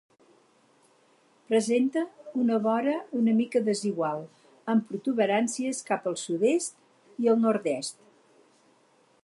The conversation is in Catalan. Presenta una vora una mica desigual, amb protuberàncies cap al sud-est i el nord-est.